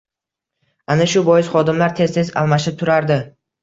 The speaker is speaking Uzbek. Ana shu bois xodimlar tez-tez almashib turardi